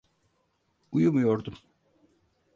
Uyumuyordum.